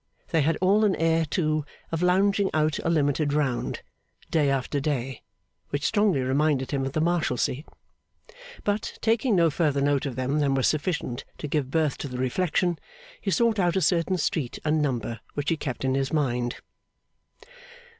They had all an air, too, of lounging out a limited round, day after day, which strongly reminded him of the Marshalsea. But, taking no further note of them than was sufficient to give birth to the reflection, he sought out a certain street and number which he kept in his mind.